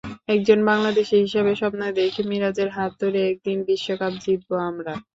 একজন বাংলাদেশি হিসেবে স্বপ্ন দেখি—মিরাজের হাত ধরেই একদিন বিশ্বকাপ জিতব আমরা।